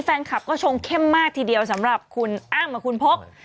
แฟนคลับก็ชงเข้มมากทีเดียวสำหรับคุณอ้ำกับคุณพก